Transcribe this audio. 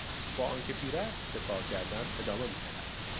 با آنکه پیر است به کار کردن ادامه میدهد.